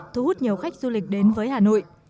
thu hút nhiều khách du lịch đến với hà nội